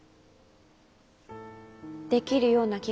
できるような気がします。